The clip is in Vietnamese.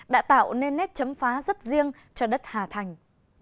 đã tạo nên nét chấm phá rất riêng cho đất hà thành